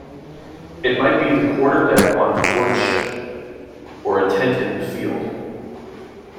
It might be the quarterdeck on board ship or a tent in the field.